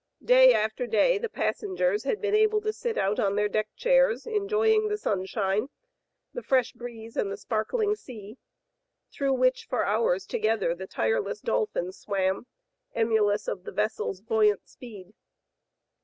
Day after day the pas sengers had been able to sit out on their deck chairs enjoying the sunshine, the fresh breeze and the sparkling sea, through which for hours together the tireless dolphins swam, emulous of the vessel's voyant speed.